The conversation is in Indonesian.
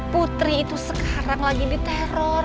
putri itu sekarang lagi di teror